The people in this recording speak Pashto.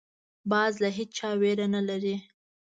باز له هېچا ویره نه لري